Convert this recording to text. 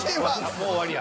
もう終わりや。